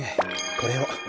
これを。